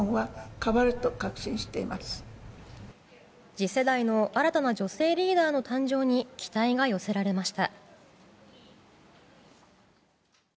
次世代の新たな女性リーダーの誕生に期待が寄せられました。